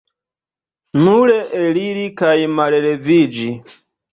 Nur eliri kaj malleviĝi!